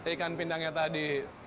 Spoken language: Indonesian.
ikan pindangnya tadi